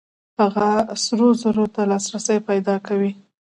هغه سرو زرو ته لاسرسی پیدا کوي.